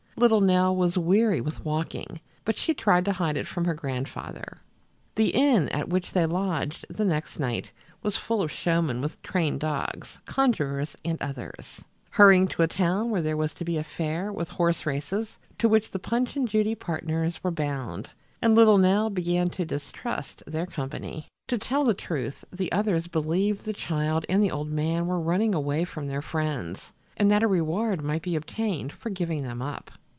Little Nell was weary with walking, but she tried to hide it from her grandfather. The inn at which they lodged the next night was full of showmen with trained dogs, conjurers and others, hurrying to a town where there was to be a fair with horse races, to which the Punch and Judy partners were bound, and little Nell began to distrust their company. To tell the truth, the others believed the child and the old man were running away from their friends, and that a reward might be obtained for giving them up.